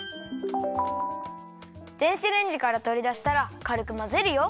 電子レンジからとりだしたらかるくまぜるよ。